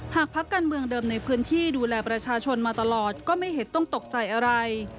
พักการเมืองเดิมในพื้นที่ดูแลประชาชนมาตลอดก็ไม่เห็นต้องตกใจอะไร